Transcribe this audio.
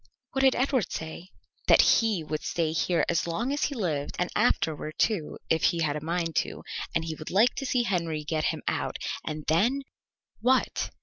"What did Edward say?" "That he would stay here as long as he lived and afterward, too, if he was a mind to, and he would like to see Henry get him out; and then " "What?"